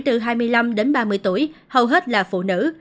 từ hai mươi năm đến ba mươi tuổi hầu hết là phụ nữ